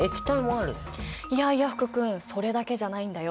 いやいや福君それだけじゃないんだよ。